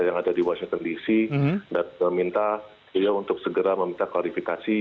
yang ada di washington dc dan meminta beliau untuk segera meminta klarifikasi